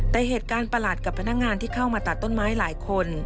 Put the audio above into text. แต่เหตุการณ์ประหลาดกับพนักงานที่เข้ามาตัดต้นไม้หลายคน